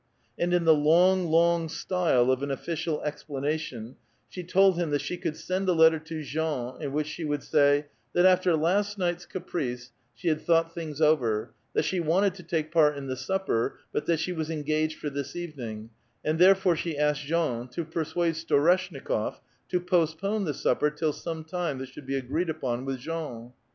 And in the long, long style of an official explanation, she told him that she could send a letter to Jean in which she would sa}', " that, after last night's caprice, she had thought things over ; that she wanted to take part in the supper, but that she was engaged for this evening, and therefore she asked Jean to persuade Storeshnikof to postpone the supper till some time that should be agreed upon with Jean."